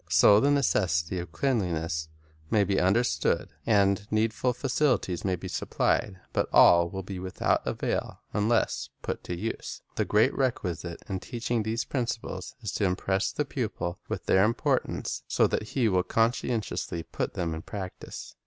So the necessity of cleanliness may be understood, and needful facilities may be supplied; but all will be without avail unless put to use. The great requisite in teaching these prin ciples is to impress the pupil with their importance, so that he will conscientiously put them in practise.